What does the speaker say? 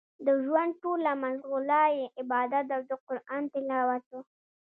د ژوند ټوله مشغولا يې عبادت او د قران تلاوت و.